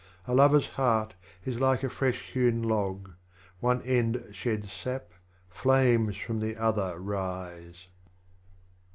A Lover's Heart is like a fresh hewn Log, One end sheds SajD, Flames from the other rise.